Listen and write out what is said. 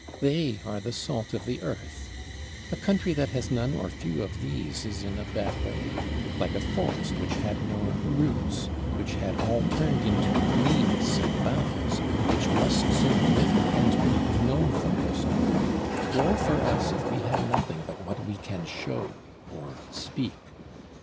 They are the salt of the Earth. A country that has none or few of these is in a bad way. Like a forest which had no roots; which had all turned into leaves and boughs; which must soon wither and be no forest. Woe for us if we had nothing but what we can show, or speak.